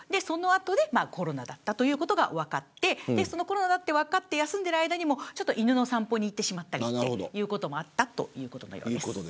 その後でコロナだったということが分かってコロナだって分かって休んでいる間にも犬の散歩に行ってしまったりということもあったと。